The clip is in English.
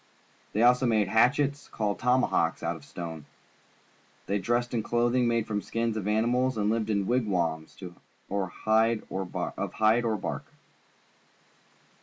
They also made hatchets, called tomahawks, out of stone. They dressed in clothing made from the skins of animals and lived in wig wams of hide or bark.